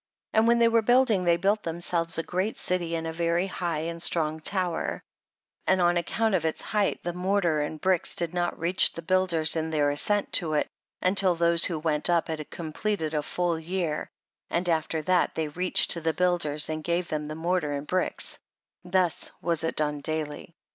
27. And when they were building they built themselves a great city and a very high and strong tower ; and on account of its height the mortar and bricks did not reach the builders in their ascent to it, until those who went up had completed a full year, and after that, they reached to the buil ders and gave them the mortar and bricks ; thus was it done daily.